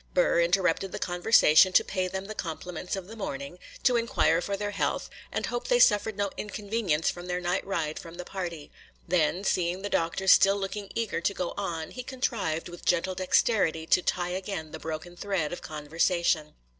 Burr interrupted the conversation to pay them the compliments of the morning,—to inquire for their health, and hope they suffered no inconvenience from their night ride from the party; then, seeing the Doctor still looking eager to go on, he contrived with gentle dexterity to tie again the broken thread of conversation.